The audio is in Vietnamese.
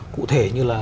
cụ thể như là